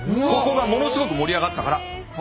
ここがものすごく盛り上がったから。